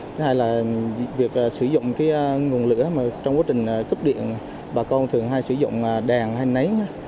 thứ hai là việc sử dụng nguồn lửa mà trong quá trình cấp điện bà con thường hay sử dụng đèn hay nấy